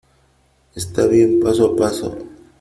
Está bien , paso , paso .